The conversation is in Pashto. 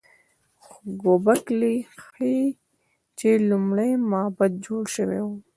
خو ګوبک لي ښيي چې لومړی معبد جوړ شوی و.